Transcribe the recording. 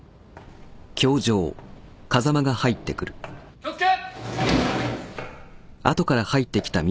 気を付け！